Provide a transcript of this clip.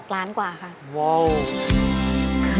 ล้านกว่าค่ะ